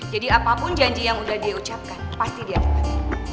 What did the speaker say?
jadi apapun janji yang udah dia ucapkan pasti dia tepat